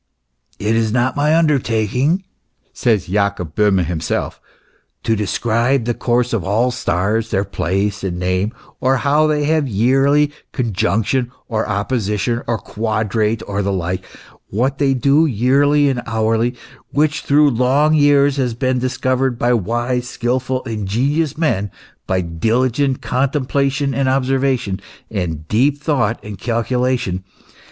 " It is not my undertaking," says Jacob Bohme himself, " to describe the course of all stars, their place and name,, or how they have yearly their conjunc tion or opposition, or quadrate, or the like, what they do yearly and hourly, which through long years has been dis covered by wise, skilful, ingenious men, by diligent contem plation and observation, and deep thought and calculation.